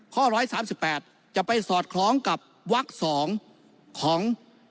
๑๓๘จะไปสอดคล้องกับวัก๒ของ